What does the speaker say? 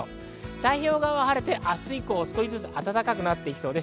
太平洋側は晴れて、明日以降は暖かくなっていきそうです。